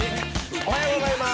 おはようございます。